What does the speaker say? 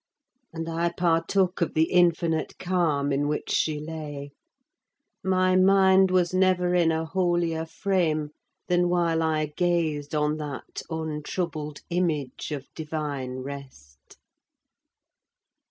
And I partook of the infinite calm in which she lay: my mind was never in a holier frame than while I gazed on that untroubled image of Divine rest.